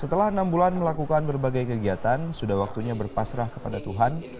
setelah enam bulan melakukan berbagai kegiatan sudah waktunya berpasrah kepada tuhan